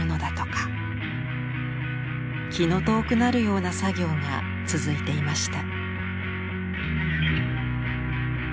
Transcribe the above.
気の遠くなるような作業が続いていました。